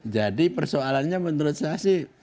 jadi persoalannya menurut saya sih